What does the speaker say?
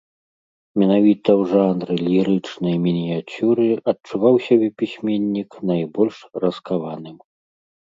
Менавіта ў жанры лірычнай мініяцюры адчуваў сябе пісьменнік найбольш раскаваным.